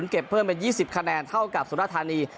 เก็บเพิ่มเป็น๒๐คะแนนเท่ากับสุรธานี